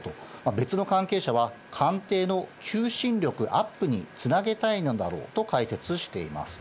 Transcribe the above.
別の関係者は、官邸の求心力アップにつなげたいのだろうと解説しています。